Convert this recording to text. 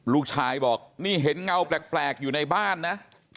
ลูกชายบอกนี่เห็นเงาแปลกอยู่ในบ้านนะ